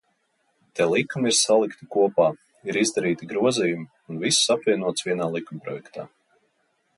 Te likumi ir salikti kopā, ir izdarīti grozījumi, un viss apvienots vienā likumprojektā.